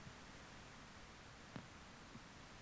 埃尔克内尔是德国勃兰登堡州的一个市镇。